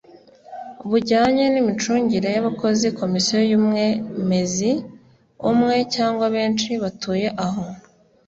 bujyanye n imicungire y abakozi Komisiyo yumwemezi umwe cyangwa benshi batuye aho